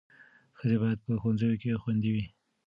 ښځې باید په ښوونځیو کې خوندي وي.